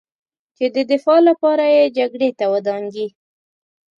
چې د دفاع لپاره یې جګړې ته ودانګي